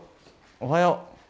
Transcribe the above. おはよう。